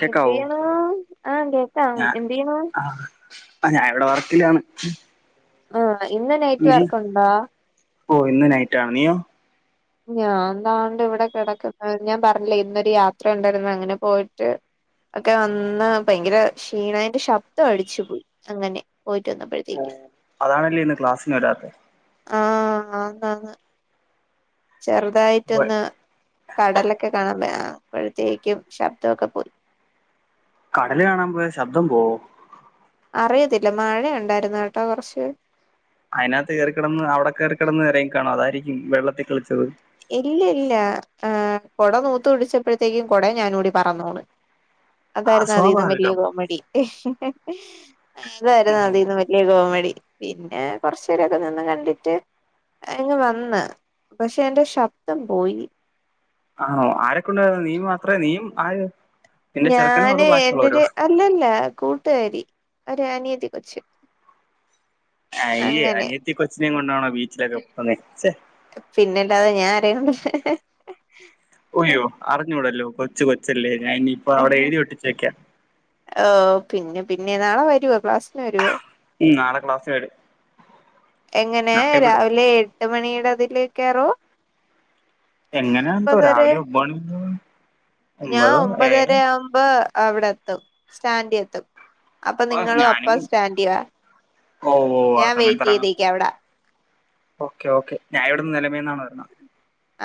കേക്കാവോ എന്തിയ്യ്ണ് ആഹ് കേക്കാം എന്ത് യ്യ്ണ് ആ ആഹ് ഞാ ഇവിടെ വർക്കിലാണ് ആഹ് ഇന്ന്നൈറ്റ് വർക്കുണ്ടോ ഓഹ് ഇന്ന്നൈറ്റാണ് നീയോ ഞാൻ താണ്ട് ഇവ്ടെ കെടക്ക്ന്ന് ഞാപറഞ്ഞില്ലേ ഇന്നൊരുയാത്ര ഉണ്ടാര്ന്നു അങ്ങനെപോയിട്ട് ഒക്കെവന്ന് ഭയങ്കരക്ഷീണ എന്റെ ശബ്ദംഅടിച്ചുപൊയി അങ്ങനെ പോയിറ്റ് ഓ വന്നപ്പഴത്തേക്കും അതാണല്ലേ ഇന്ന് ക്ലാസ്സിന് വരാത്തെ ആഹ് അന്നങ്ങ് അപ്പൊ ചെറ്തായിറ്റൊന്ന് കടലൊക്കെ കാണാൻമേ അപ്പഴ്ത്തേക്കും ശബ്ദൊക്കെപോയി കടല് കാണാപോയ ശബ്ദം പോവൊ അറിയത്തില്ല മഴ ഇണ്ടാര്ന്നുട്ടോ കൊറ്ച്ച് അയ്നകത്ത് കേറിക്കടന്ന് അവടെ കേറിക്കടന്ന് നെരങ്ങിക്കാണും അതാരിക്കും വെള്ളത്തി കൾച്ചത് ഇല്ല ഇല്ല്യ ആഹ് കൊടനൂത്ത്പിടിച്ചപ്പഴ്ത്തേക്കും കൊടെം ഞാനുംകൂടിപറന്നോണ് അതാര്ന്നു അതീന്നും വല്ല്യ അസ്വാഭാവികം കോമഡി അതാരുന്നു അതീന്ന് വ ല്ല്യ കോമഡി പിന്നെ കൊറച്ചേരൊക്കെ നിന്ന്കണ്ടിട്ട് ഇങ്ങ് വന്ന് പക്ഷെ എന്റെ ശബ്ദം പോയി ആണോ ആരൊക്കെണ്ട് നീ മാത്രേ നീയും ആര് നിന്റെ ചെറുക്കനോ അതോ ഞാന് ബാക്കിയുള്ളവരോ എന്റൊര് അല്ല ല്ല കൂട്ട്കാരി ഒര് അനിയത്തികൊച്ച് അയ്യെ അനിയത്തികൊച്ചിനേം കൊണ്ടാണോ ബീച്ചിലൊക്കെപോന്നേ ച്ചെ പിന്നെല്ലാതെ ഞാ ആരേം കൊണ്ടാ ഉയ്യൊ അറിഞ്ഞൂടല്ലോ കൊച്ചുകൊച്ചല്ലേ ഞാനിയിപ്പോവിടെ എഴുതിഒട്ടിച്ചേക്കാം ഓഹ്‌ പിന്നെപിന്നെ വരുവോ ക്ലാസ്സിന് വരുവോ? ഉം നാളെക്ലാസ് വരും എങ്ങനെ ഇവിടെ രാവിലെഎട്ട്മണിയുടെ അതിലേക്കാറോ? എങ്ങനെ എന്തോ അതോഒമ്പതരെ രാവിലെ ഒമ്പത് മണി ഒമ്പതോ ഏഴോ ഞാഒമ്പതരാ വ്മ്പോ അവ്ടെത്തും സ്റ്റാന്റിയത്തും അപ്പൊ ആ നിങ്ങളും അപ്പ ഞാനും സ്റ്റാന്റിവാ ഓ ഓ ആ ഞാൻ വെയ് ഒക്കെഒക്കെ ഞാൻവിട്ന്ന് നെലമേന്നാണ് വെര്ന്നെ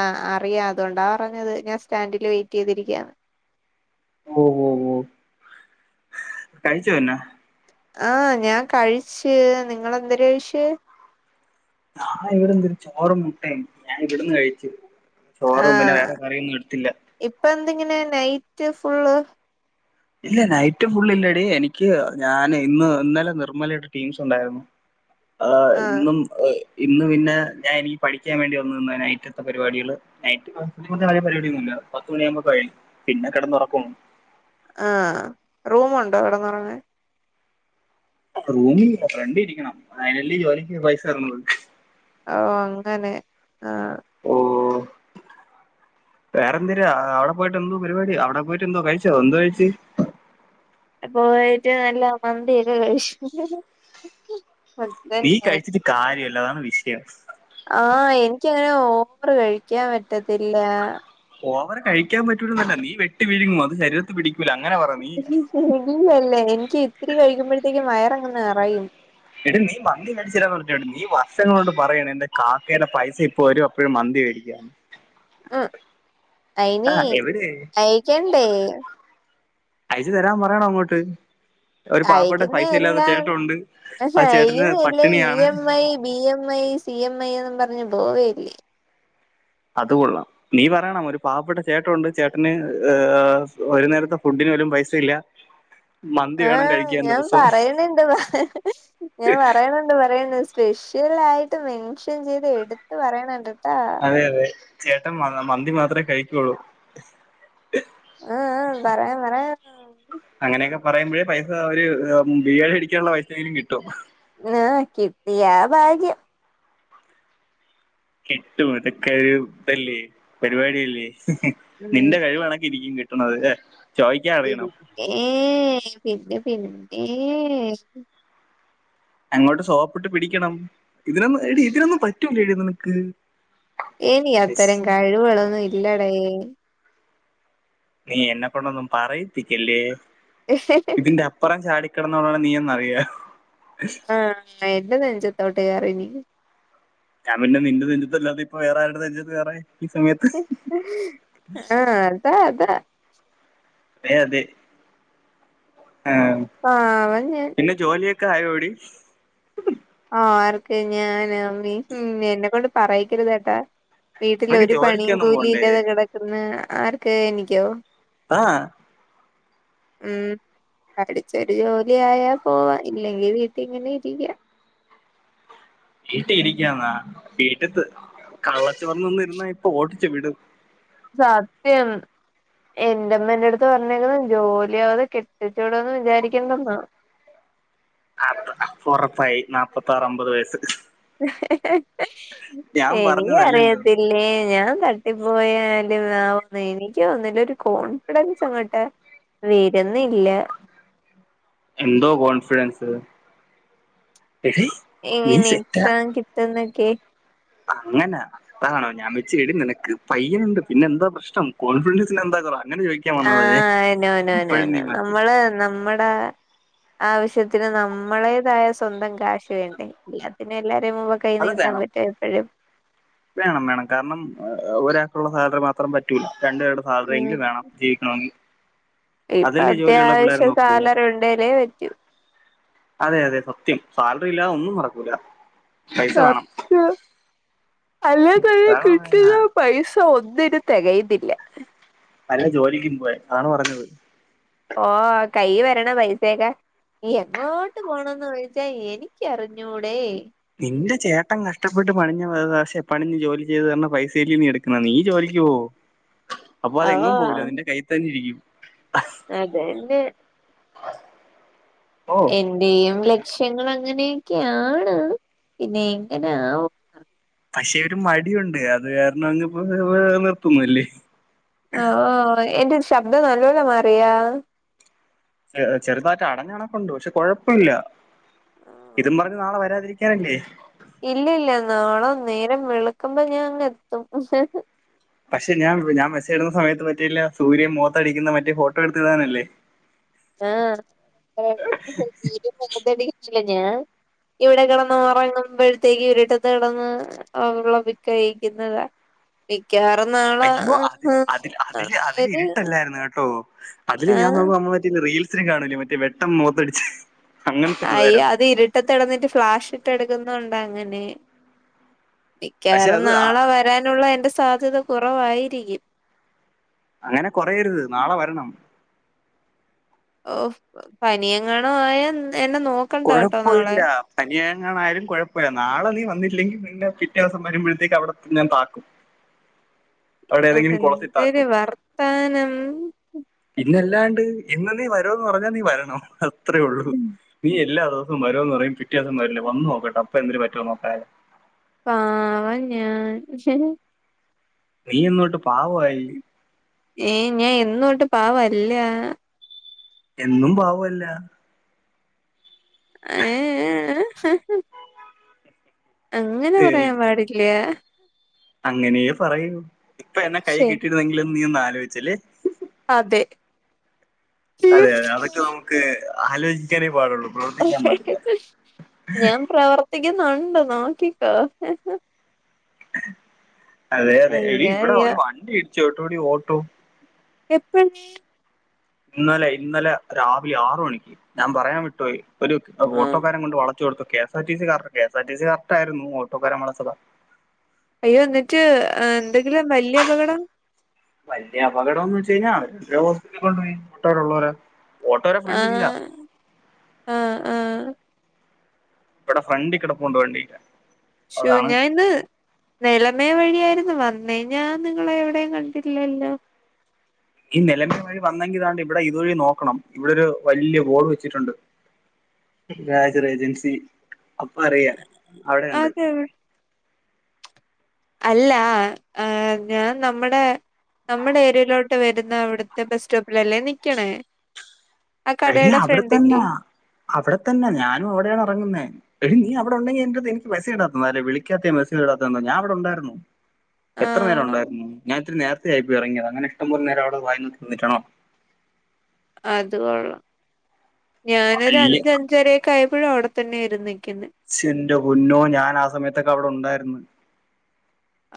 ആഹ് അറിയാം അതുകൊണ്ടാപറഞ്ഞത് ഞാൻസ്റ്റാൻഡില് വെയിറ്റ്യ്തിരിക്കാന്ന് വൊ വൊ വൊ കഴിച്ചോപിന്നെ? ആഹ്‌ ഞാൻകഴിച്ച് നിങ്ങളെന്തര്കഴിച്ച്? ഞാൻ ഇവിടെന്തരു ചോറും മുട്ടേം ഞാൻ ഇവിടുന്ന് കഴിച്ച് ചോറുംപിന്നെവേറെകറിയിന്നുംട്ത്തില്ല ഇപ്പന്ത്ങ്ങനെ നൈറ്റ്ഫുള്ള്? ഇല്ല നൈറ്റ് ഫുള്ള്ല്ലടി എനിക്ക് ഞാന് ഇന്ന് ഇന്നലെ നിർമ്മലയുടെ ടീംസ്ണ്ടായിരുന്നു ആഹ് ഇന്നും ഇന്ന് പിന്നെ ഞായെനിക്ക് പഠിക്കാൻ വേണ്ടി വന്നു നിന്ന നൈറ്റ്‌ത്തെ പരിപാടിയ്ള് നൈറ്റ് പരിപടിയൊന്നുമില്ല പത്ത് മണിയാക്പോ കഴിയും പിന്നെ കിടന്നുറക്കണം ആഹ്‌ റൂമുണ്ടോകെട്ന്നൊറ്ങ്ങാൻ? റൂമീല്ല ഫ്രണ്ട് രിക്കണം അതിനല്ലെ ജോലിക്ക്പൈസതര്ന്നത് ഓഹ് അങ്ങനെ ആഹ്‌ ഓഹ്‌ വേറെന്ത് ര് അവടെ പോയ്ട്ടൊന്തോ പരിപാടി അവിടെ പോയിട്ട് ന്തോ കഴിച്ചോ എന്ത്കഴിച്ച്? പോയിട്ട് നല്ല മന്തിയക്കെകഴിച്ച് നീ കഴ്ച്ചിട്ട് കാര്യല്ല അതാണ് വിഷയം ആഹ്‌ എനിക്കങ്ങനെ ഓവറ് കഴിക്കാൻപറ്റത്തില്ല ഓവറ് കഴിക്കാൻ പറ്റൂലാന്നല്ല നീ വെട്ടി വീഴുങ്ങും അത് ശരീരത്ത് പിടിക്കൂല അങ്ങനെ പറ നീ ഇല്ലല്ലേ എനിക്ക് ഇത്തിരി കഴിക്കുമ്പോഴ്ത്തേക്ക് വയറങ്ങ് നറയും എട്ട് നീ മന്തി മേടിച്ചരാൻ പറ നീ വർഷങ്ങളോട്ട പറയണ എന്റെ കാക്കയുടെ പൈസ ഇപ്പ വര അപ്പോഴും മന്തി മേടിക്കയാണ് ആഹ് ആ അയിനി എവിടെ അയ്ക്കണ്ടേ അയ്ച്ച്തരാൻ പറയണംഅങ്ങോട്ട് ഒരു പാവപ്പെട്ട അയക്കുന്ന പൈസല്ലാത്ത എല്ലാം ചേട്ടൊണ്ട് ആ ചേട്ടന് അയക്കുന്ന എല്ലാം ഇ പട്ടിണിയാണ് M I B M I, C M I എന്നും പറഞ്ഞ് പോയല്ലേ. അതു കൊള്ളാം. നീ പറയണം ഒരു പാവപ്പെട്ട ചേട്ടനുണ്ട്. ചേട്ടന് ഏഹ് ഒരു നേരത്തെ ഫുഡിന് പോലും പൈസ ഇല്ല. മന്തി വേണം ആഹ് കഴിക്കാൻ ഞാൻ ദിവസവും പറയണണ്ട് പറ ഞാൻ പറയണ ണ്ട് പറയ സ്പെഷ്യൽ ആയിട്ട് മെൻഷൻ ചെയ്ത് എടുത്ത് പറയണുണ്ടട്ടാ. അതെ അതെ ചേട്ടൻ മ മന്തി മാത്രേ കഴിക്കുള്ളൂ. ആഹ് ആഹ് പറയാം പറയാം. അങ്ങനെയൊക്കെ പറയുമ്പോഴേ പൈസ അവര് ബിരിയാണി അടിക്കാനുള്ള പൈസ എങ്കിലും കിട്ടൂ. ആഹ് കിട്ടിയാ ഭാഗ്യം. കിട്ടും. ഇതൊക്കെ ഇതല്ലേ പരിപാടിയല്ലേ. ഉം നിന്റെ കഴിവ്ണക്കെ ഇരിക്കും കി ണത് അല്ലേ. പിന്നേ പിന്നെ പിന്നേ. അങ്ങോട്ട് സോപ്പിട്ട് പിടിക്കണം. ഇതിനൊന്നും എടി ഇതിനൊന്നും പറ്റൂല്ലേടി നിനക്ക്. എനി അത്തരം ശ്ശി, കഴിവുകളൊന്നും ഇല്ലടേ. നീ എന്നെ കൊണ്ടൊന്നും പറയിപ്പിക്കല്ലേ ഇതിന്റെ അ പ്പുറം ചാടിക്കടന്നവളാണ് നീയെന്നറിയാം. ആഹ് എൻ്റെ നെഞ്ചത്തോട്ട് കേറ് ഇനി. ഞാൻ പിന്നെ നിന്റെ നെഞ്ചത്ത് അല്ലാതെ ഇപ്പ വേറെ ആരുടെ നെഞ്ചത്ത് കയറാൻ ഈ സമയ ആഹ് അതാ അതാ അതെ അതെ ആഹ് പാവം ഞാൻ. പിന്നെ ജോലിയൊക്കെ ആയോടി. ആർക്ക് ഞാനോ ഉം നീ ഉം എന്നെ കൊണ്ട് പറയിക്കരുത് കേട്ടാ. വീട്ടില് നിനക്ക് ഒരു പണിയും ജോലിക്കൊന്നും കൂലി പോണ്ടേ ഇല്ലാതെ കിടക്കുന്ന ആർക്ക് എനിക്കോ? ആഹ് ഉം പഠിച്ചൊരു ജോലിയായ പോവാം ഇല്ലെങ്കി വീട്ടിൽ ഇങ്ങനെ ഇരിക്കാം. വീട്ടി ഇരിക്കാന്നാ വീട്ടത്ത് [unintelligible] ഇരുന്നാ ഇപ്പൊ ഓട്ടിച്ച് വിടും. സത്യം. എന്റെമ്മ എൻ്റെ അടുത്ത് പറഞ്ഞേക്കുന്നത് ജോലിയാകാതെ കെട്ടിച്ചു വിടൂന്ന് വിചാരിക്കേണ്ടന്നാ. അപ് അപ്പൊ ഉറപ്പായി നാപ്പത്താറ് അമ്പത് വയസ്സ്. ഞാൻ എനിക്ക് പറഞ്ഞതല്ലല്ലോ അറിയത്തി ല്ലേ ഞാൻ തട്ടിപ്പോയാലും ആവൂന്ന് എനിക്ക് തോന്നുന്നില്ല. ഒരു കോൺഫിഡൻസ് അങ്ങോട്ട് വെരുന്നില്ല. എന്തോ കോൺഫിഡൻസ് എടീ എങ്ങനെ എക്സാം കിട്ടുന്നൊക്കെ. അങ്ങനാ അതാണോ ഞാൻ വെച്ച് എടീ നിനക്ക് പയ്യനുണ്ട് പിന്നെന്താ പ്രശ്നം. കോൺഫിഡൻസിന് എന്താ കുറവ് അങ്ങനെ ചോയ് ആഹ് നോ നോ നോ നമ്മള് നമ്മടെ ആവശ്യത്തിന് നമ്മളേതായ സ്വന്തം കാശ് വേണ്ടെ. എല്ലാത്തിനും എല്ലാവരെയും മുമ്പെ കൈ അത് വേണ്ട നീട്ടാൻ പറ്റോ എപ്പഴും. വേണം വേണം. കാരണം ഒരാൾക്കുള്ള സാലറി മാത്രം പറ്റൂല. രണ്ടു പേരുടെ ഉം സാലറിയെങ്കിലും വേണം. ജീവിക്കണോങ്കി. ഇപ്പൊ അത്യാവശ്യം നോക്കുന്നത് സാലറി ഉണ്ടേലേ പറ്റൂ. അതെ അതെ സത്യം. സാലറി ഇല്ലാതെ ഒന്നും നടക്കൂല. പൈസ വേണം സത്യം. അല്ലെ തന്നെ അതാണ് പറഞ്ഞത്. കിട്ടിയാ പൈ ന്ന ഒന്നിനും തികയന്നില്ല. വെല്ല ജോലിക്കും പോവാൻ അതാണ് പറഞ്ഞത്. ഓഹ് കൈയ്യീ വരണ പൈസയൊക്കെ എങ്ങോട്ട് പോണോന്ന് ചോദിച്ചാ എനിക്ക് അറിഞ്ഞൂടെ. നിന്റെ ചേട്ടൻ കഷ്ടപ്പെട്ട് പണിഞ്ഞ വ പക്ഷെ പണിഞ്ഞു ജോലി ചെയ്ത് തന്ന പൈസയെല്ലെ നീ എടുക്കണത് നീ ജോലിക്ക് പോവോ അപ്പ അവൻ ഓ എങ്ങും പോവൂല നിന്റെ കയ്യീ തന്നെ ഇരിക്കും. അതെന്നെ. ഓ എന്റെയും ലക്ഷ്യങ്ങളങ്ങനെയൊക്കെയാണ്. പിന്നെ എങ്ങനാവും. പക്ഷെ ഒര് മടിയുണ്ട് അത് കാരണം അങ് പ്പോ ഏഹ് ഏഹ് നിർത്തുന്നില്ലേ. ആഹ് ഓഹ് എന്റെരു ശബ്ദം നല്ലോല്ലെ മാറിയോ ഏഹ് ചെറുതായിട്ട് അടഞ്ഞടപ്പുണ്ട് പക്ഷെ കൊഴപ്പല്ല ഇതും പറഞ്ഞ് നാളെ വരാതിരി [unintelligible] ഇല്ല ഇല്ല നാളെ നേരം വിെളുക്കുമ്പോ ഞാ ങ്ങെത്തും. പക്ഷെ ഞാൻ ഞാൻ മസേജ് ഇടുന്ന സമയത്ത് പറ്റില്ല സൂര്യൻ മോത്ത ടിക്കുന്ന മറ്റേ ഫോട്ടോ എടുത്തിടാനെല്ലേ [unintelligible] ഇവിടെ കിടന്ന് ഉറങ്ങുമ്പോഴ്ത്തേക്ക് ഇരിട്ടത്ത് കിടന്ന് ആഹ് വിളബിക്കഴിക്കുന്നതാ അയ്യോ അതി അതിൽ അതില് ഒരു ഇരുട്ടെല്ലായിരുന്നു കേട്ടോ അതില് ഞാൻ ആഹ് നോക്കും നമ്മ മറ്റ റീൽസിന് കാണൂലേ മറ്റ വെട്ടം മോത്തടിച്ച് അയ്യോ അത് ഇരുട്ടെത്ത് കെടന്നിട്ട് ഫ്ലാഷ് ഇട്ട് എടുക്കുന്നേണ്ടാ അങ്ങനെ പക്ഷെ മിക്കവാറും അത് അ- നാളെ വരാനുള്ള എന്റെ സാധ്യത കുറവായിരിക്കും. അങ്ങനെ കൊറയരുത് നാളെ വരണം. ഓഹ് പനിയെങ്ങാണു ആയാ എന്നെ നോക് കുഴപ്പൊ ഇല്ല പനിയെങ്ങാണു ആയാലും കുഴപ്പല്ല നാളെ നീ വന്നില്ലെങ്കിൽ പിന്നെ പിറ്റേ ദിവസം വരുമ്പോഴത്തേക്ക് അവിടെ ഞാൻ താക്കും. അവിടെ ഏതെങ്കിലും കൊളത്തീ താഴ്ത്തും പാനം പിന്നെല്ലാണ്ട് ഇന്ന് നീ വരൂന്ന് പറഞ്ഞാ നീ വരണം അത്രേള്ളൂ. നീ എല്ലാ ദൂസം വരൂന്ന് പറയും പിറ്റേ ദിവം വരില്ല വന്ന് നോക്കട്ടെ അപ്പ എന്ത് പറ്റുന്ന്നേക്കാ പാവം ഞാൻ നീ യ്യെന്നേട്ട് പാവയി. ഏയ് ഞാൻ എന്നോട്ട് പാവല്ല. എന്നും പാവല്ല. ഏഹ് അങ്ങനെ പറയാൻ പാടില്ല്യ. അങ്ങനെയു പറയൂ ഇപ്പൊ എന്നെ കൈ ശേ കിട്ടിയിരുന്നെങ്കിലെന്ന് നീ ഒന്ന് ആലോചില്ലേ. അതെ. അതെ അതെ അതൊക്കെ തീർച്ചയായും നമുക്ക് ആലോചിക്കാനേ പാടെള്ളൂ പ്രവർത്തിക്കാൻ പാടില്ല ഞാൻ പ്രവർത്തിക്കുന്നുണ്ട് നോക്കിക്കൊ അതെ അതെ എടീ അയ്യോ ഇവിടെ അയ്യോ ഒരു വണ്ടി ഇടിച്ചോട്ടോടി ഓട്ടോ എപ്പനീ ഇന്നലെ ഇന്നലെ രാവിലെ ആറ് മണിക്ക് ഞാൻ പറയാൻ വിട്ട്പേയി ഒരു ആ. ഓട്ടോക്കാരൻ കൊണ്ട് വള ചെടുത്തു K. S. R. T. C. Car K. S. R. T. C correct ആയിരുന്നു ഓട്ടോകാരൻ വളച്ചെതാ. അയ്യോ ന്നട്ട് എന്തെങ്കിലും വല്യ അപകടം. വല്യ അപകടന്ന് വെച്ചെയ്ഞ്ഞാ അവ ഹോസ് പിറ്റലിൽകൊണ്ട്പോയി ബി ഔട്ടോലുള്ളൊരെ. ആഹ് ആഹ് അഹ് ഇവിടെ ഫ്രണ്ടീകിടപ്പുണ്ട് വണ്ടിടെ ശൊ ഞാനി ന്ന് നെലമേ വഴിയായിരുന്നു വന്നെ ഞാൻ നിങ്ങളെ എവിടെയും കണ്ടില്ലല്ലോ. നീ നിലമേ വഴി വന്നെങ്കിതാണ്ട് ഇവിടെ ഇതുവഴി നോക്കണം ഇവിടെരു വല്യ ഹൊൾ വെച്ചിട്ടുണ്ട്. വാജർ ഏജൻസി അപ്പൊ അറിയാ അവിടെ ണ്ട് അതെവിടെ അല്ലാ ഏ ഞാൻ നമ്മുടെ നമ്മുടെ ഏരിയയിലോട്ട് വരുന്ന അവിടുത്തെ ബസ് സ്റ്റോപ്പിലല്ലേ നിക്ക്ണെ എടീ അവിടെത്തെന്നാ അവിടെത്തന്നെ ഞാനും അവിടെയാണ് എറങ്ങുന്നേ എടീ നീ അവിടെ ഉണ്ടെങ്കി എൻ്റെ തേ മെസേജ് ഇടാത്തന്നാല്ലെ വിളാക്കാത്തെ മെസേജ് ഇടാത്തതെന്താ ഞാ ഇവിടെ ഇണ്ടായിരുന്നു. ആ എത്ര നേരം ഉണ്ടായിരുന്നു ഞാന ഇത്തിരി നേരത്തെ ആയി ഇറങ്ങിയ അങ്ങന ഇഷ്ട പോലെ നേരം അടെ വായി നൊക്കി നിന്നിട്ടാണോ അത് കൊള്ളാം ഞാനൊരു അല്ല അഞ്ച് അഞ്ചരൊക്കെ ആയപ്പോഴും അവിടെത്തന്നെ നിക്കുന്നെ ന്റെ പൊന്നോ ഞാൻ ആ സമയത്തൊക്കെ അവിടെ ഉണ്ടായിരുന്നു.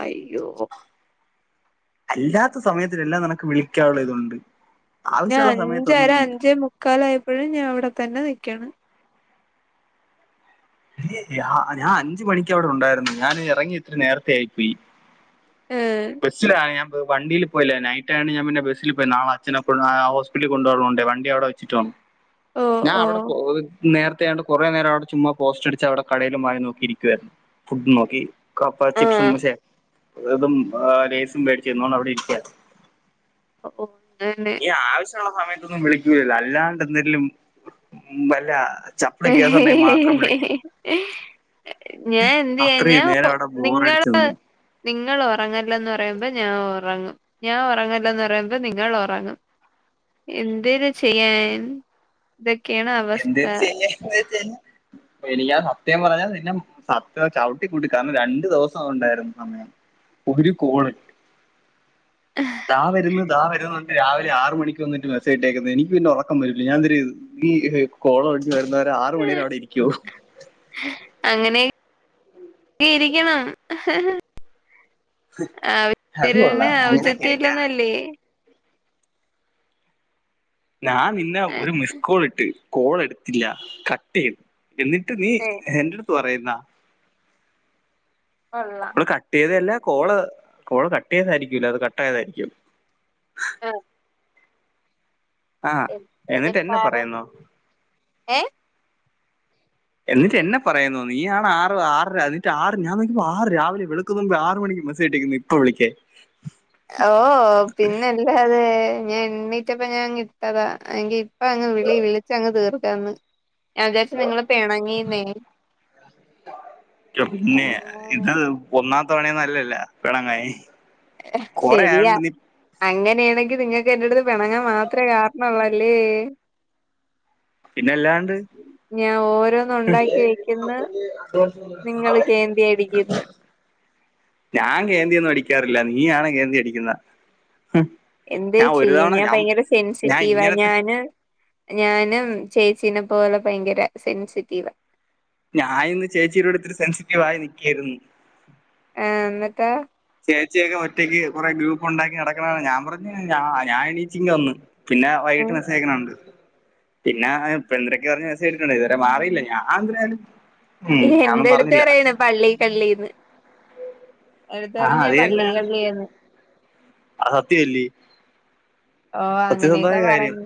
അയ്യോ അല്ലാത്ത സമയത്തിലെല്ലാം നിനക്ക് വിളിക്കാനുള്ള ഇതുണ്ട്. ഞാൻ ആവശ്യമുള്ള അഞ്ചര സമയത്തൊന്നും അഞ്ചേ മുക്കാല ആയപ്പോഴും ഞാൻ അവിടെത്തന്നെ നിക്കാണ്. ഞാൻ അഞ്ച് മണിക്കവിടെ ഉണ്ടായിരുന്നു. ഞാൻ ഇറങ്ങി ഇത്തിരി നേരത്തെ ആയിപ്പോയി ഏഹ് ബസ്സിലാ ഞാൻ വണ്ടിൽ പോയില്ല നൈറ്റ് ആയൊണ്ട് ഞാ പിന്നെ ബസിൽ പോ നാളെ അഛനെ ഹസ്പിറ്റലിൽ കൊണ്ടുപോവാൻ ഉള്ളോണ്ടേ വണ്ടി അവിടെ വച്ചിട്ട്ണം. ഓ ഞാൻ ഓ അവിടെ പോ നേരത്തെ ആണ്ട് കൊറേ നേരം അവിടെ ചുമ്മാ പോസ്റ്റ് അടിച്ച് അവിടെ കടൽും വായ് നോക്കിയിരിക്കുവായിരുന്നു ഫുഡ് നോക്കി കപ്പ ചിപ്സും ആഹ് ഷേ ഇതും ലേസും മേടിച്ചന്നണ്ട് അവിടെ ഇരിക്കരു ഓ ഓ അ തന്നെ ഈ ആവശ്യമുള്ള സമയത്തൊന്നും വിളിക്കുലല്ല അല്ലാണ്ട് എന്തെിലും ഉ വല്ല ചപ്പളി കേസ് ഉണ്ടേ മാ ഞാൻ എന്ദേയ്യാൻ അത്രയും ഞാൻ നേരം ഓ അവിടെ നിങ്ങള ബോറടിച്ചു നിന്ന് നിങ്ങൾ ഉറങ്ങല്ലന്ന് പറയുമ്പോ ഞാൻ ഉറങ്ങും. ഞാൻ ഉറങ്ങല്ല എന്ന് പറയുമ നിങ്ങൾ ഉറങ്ങും. എന്തത് ചെയ്യാൻ ഇതൊക്കെണ്ണ എദ്ദെര് ചെയ്യാ എനിക് ആ സത്യം പറഞ്ഞ നിന്നെ സത്യം ചവിട്ടിിക്കൂട്ടി കാരണം രണ്ടു ദിവസം ഉണ്ടായിരുന്നു സമയം.. ഒരു കോൾ അതാ വരുന്നത്താ വരുന്ന.. രാവിലെ ആറ് മണിക്ക് വന്നിട്ട് മെസേ്ട്ടേക്കുന്നത് എനി പിന്നെ ഉറക്കം വറൂലെ ഞാൻ യെന്തിരു.. ഈ കോളോള് വരുന്നവരെ ആറ് മണിരെ അവിടെ ഇരിക്കുവോ അങ്ങനെ ഇരിക്കണം ആ അത് തിരിന് കൊള്ളാം അങ്ങനെ ഔചത്തി ഇരിക്കാൻ ഇല്ലന്നല്ലേ ഞാൻ നിന്ന ഒരു മിസ്കോൾ ഇട്ട് കോൾ എടുത്തില്ല കട്ട് ചെയ്തു എന്നിട്ട് നീ ഏഹ് എറ്റടുത്ത് പറയുന്നാ. കേള നമ്മള് കട്ട് ചെയ്തല്ല കോള് കോള് കട്ട് ചെയ്തായിരിക്കില്ല അത് കട്ട് ആയതായിരിക്കും. ആഹ ആഹ എന്നിട്ട്ന്നെ പറ പറയുന്നോ ഏഹ് എന്നിട്ട് എന്നെ പറയുന്നു നീ ആണ് ആറ് ആറര അതി.. മറ്റ ആറ് ഞാൻ നോക്കിപ്പോ ആറ് രിലെളുക്ക് മുൻപ് ആറ് മണിക്ക് മസ്സ ആട്ടിരിക്കുന്നു ഇപ്പൊ വിളിക്കേ.. ഓ പിന്നെ അല്ല അതെ ഞാൻ എണ്ണീട്ടപ്പ ഞാൻങ്ങ് ഇട്ടതാ എങ്ക ഇപ്പ അങ്ങ് വിളി വിളിച്ചങ്ങ് തീർക്കാന്ന്.. ഉ ഞാൻ വിചാരിച്ച നിങ്ങള് പേണങ്ങിന്നേ ഇപ്പൊ ആ. പിന്നെ ഇത് ഒന്നാ തവണയന്ന നല്ലല്ല പെണങ്ങാൻ.. ശരിയാ അങ്ങനെയാണെങ്കിൽ നിങ്ങൾക്ക് എന്റെറ അടുത്ത് പിണങ്ങാൻ മാത്രമേ കാരണള്ള.. അല്ലേ പിന്നെ എല്ലാണ്ട് ഞാൻ ഓരോന്ന് ഉണ്ടാക്കി വെക്കുന്ന് നിങ്ങള് കേന്തി അടിക്കുന്ന് ഞാൻ കേന്തിൊന്നും അടിക്കാറില്ല നീയാണ് കേന്തി അടിക്കുന്ന എന്ത്ര് ചെയ്യ ഞാൻ ഭയങ്കര സെൻസിറ്റീവ ഇങ്ങനത്തെ ഞാന്.. ഞാനും ചേച്ചീനെ പോലെ ഭയങ്കര സെൻസിറ്റീവ.. ഞാൻ ഇന്ന് ചേച്ചിയിലോട് ഇത്തിരി സെൻസിറ്റീവ് ആയി നൽക്കയായിരുന്നു. ആഹ എന്നിട്ട ചേച്ചിയൊക്കെ ഒറ്റയ്ക്ക് കുറെ ഗ്രൂപ്പ് ഉണ്ടാക്കി നടക്കണാണ് ഞാൻ പറഞ്ഞ ഞ ഞാൻ എണീച്ചിങ്ങ് വന്ന് പിന്നെ വൈകീട്ട് മെസ്സേജയക്കണകണ്ട് പിന്നെ ഇപ്പ എന്തൊരൊക്ക പറഞ്ഞ മെസ്സേജ് ഇട്ടിട്ടുണ്ട് ഇതുവരെ മാറിയില്ല ഞാൻ എന്തരാണ് ഉം ഞാനൊന്നും എന്റെടുത്ത് പറഞ്ഞില്ല പറയാണ് പള്ളി കള്ളിന്ന് എന്റടുത്തു ആഹ് പറഞ്ഞു പള്ളി കള്ളിന്ന് ആ സത്യമല്ലേ ഓ സത്യസന്ധമായ അങ്ങനെയൊക്കെ കാര്യം പറഞ്ഞു